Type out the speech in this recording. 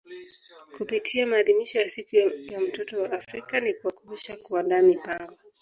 Kupitia maadhimisho ya siku ya mtoto wa Afrika ni kuwakumbusha kuandaa mipango